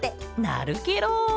なるケロ！